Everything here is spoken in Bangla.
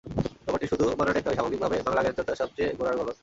ব্যাপারটি শুধু বানানের নয়, বরং সামগ্রিকভাবে বাংলা ভাষাচর্চার সবচেয়ে গোড়ার গলদ।